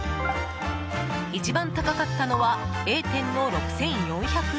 一番高かったのはＡ店の６４００円！